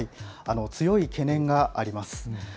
強い懸念があります。